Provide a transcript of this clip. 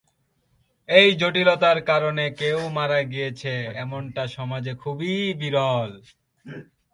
এই জটিলতার কারণে কেও মারা গিয়েছে, এমনটা সমাজে খুবই বিরল।